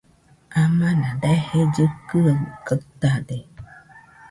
Amana daje llɨkɨaɨ gaɨtade